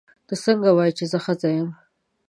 ته څنګه وایې چې زه ښځه یم.